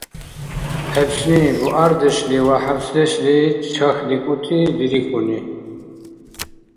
ГӀебшни, бугӀярдешли ва хӀябцдешли чахьдикӀути дирихьуни.